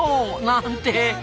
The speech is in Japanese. なんて。